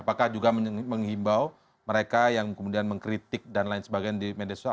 apakah juga menghimbau mereka yang kemudian mengkritik dan lain sebagainya di media sosial